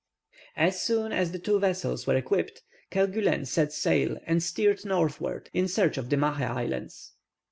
As soon as the two vessels were equipped, Kerguelen set sail and steered northward in search of the Mahé Islands.